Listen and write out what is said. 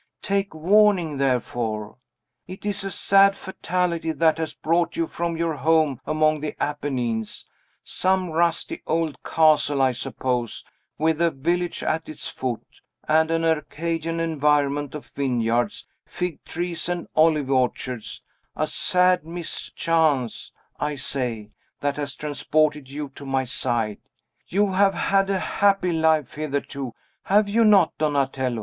Take warning, therefore! It is a sad fatality that has brought you from your home among the Apennines, some rusty old castle, I suppose, with a village at its foot, and an Arcadian environment of vineyards, fig trees, and olive orchards, a sad mischance, I say, that has transported you to my side. You have had a happy life hitherto, have you not, Donatello?"